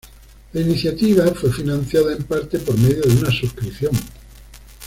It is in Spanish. La iniciativa fue financiada en parte por medio de una suscripción.